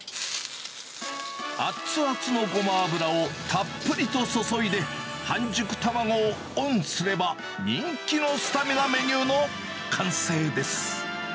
あっつあつのゴマ油をたっぷりと注いで、半熟卵をオンすれば、人気のスタミナメニューの完成です。